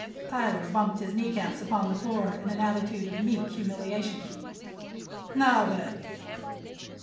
Tyler bumped his kneecaps upon the floor in an attitude of meek humiliation. "Now, then!"